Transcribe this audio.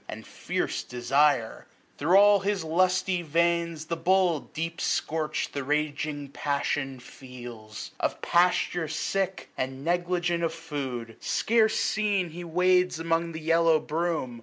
And fierce desire. Thro' all his lusty veins The bull, deep scorch'd, the raging passion feels. 790 Of pasture sick, and negligent of food. Scarce seen, he wades among the yellow broom.